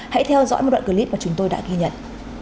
hãy theo dõi một đoạn clip mà chúng tôi đã ghi nhận